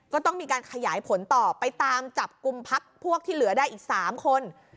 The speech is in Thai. ก็ต้องมีการขยายผลต่อไปตามจับกลุ่มพักพวกที่เหลือได้อีก๓คน